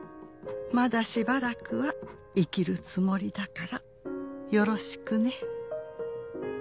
「まだしばらくは生きるつもりだからよろしくね」